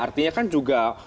artinya kan juga